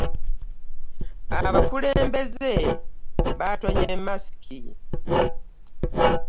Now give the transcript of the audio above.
Abakulembeze batonye masiki .